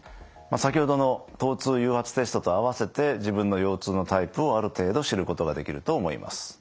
先ほどの疼痛誘発テストと併せて自分の腰痛のタイプをある程度知ることができると思います。